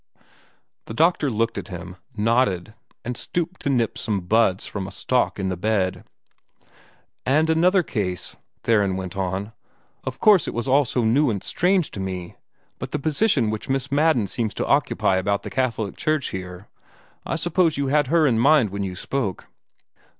The doctor looked at him, nodded, and stooped to nip some buds from a stalk in the bed. "And another case," Theron went on "of course it was all so new and strange to me but the position which Miss Madden seems to occupy about the Catholic Church here I suppose you had her in mind when you spoke."